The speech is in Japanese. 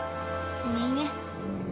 いいねいいね。